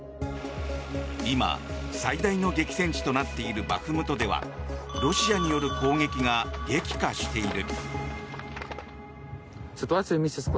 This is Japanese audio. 今、最大の激戦地となっているバフムトではロシアによる攻撃が激化している。